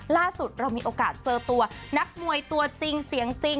ล่าสุดเรามีโอกาสเจอตัวนักมวยตัวจริงเสียงจริง